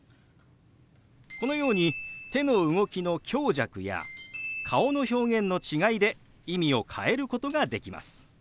このように手の動きの強弱や顔の表現の違いで意味を変えることができます。